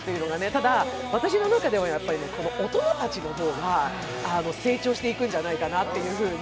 ただ、私の中では大人たちの方が成長していくんじゃないかなと。